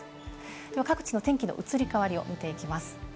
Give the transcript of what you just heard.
では各地の天気の移り変わりを見ていきます。